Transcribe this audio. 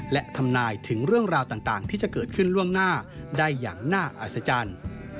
และทำนายถึงเรื่องราวต่างที่จะเกิดขึ้นล่วงหน้าได้อย่างน่าอัศจรรย์